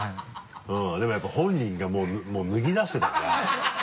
でもやっぱり本人がもう脱ぎだしてたから。